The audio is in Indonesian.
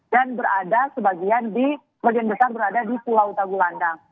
dan berada sebagian di bagian besar berada di pulau tagulandang